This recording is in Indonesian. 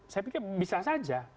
saya pikir bisa saja